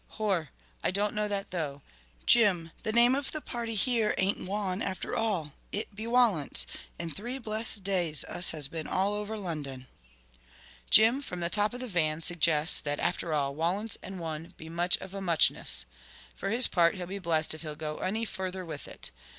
"Hor, I don't know that though. Jim, the name of the party here ain't Waun after all. It be Walence. And three blessed days us has been all over London!" Jim, from the top of the van, suggests that, after all, Walence and Waun be much of a muchness. For his part, he'll be blessed if he'll go any further with it.